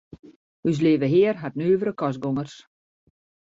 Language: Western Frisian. Us Leave Hear hat nuvere kostgongers.